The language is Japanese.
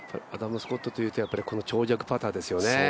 アダム・スコットというと長尺パターですよね。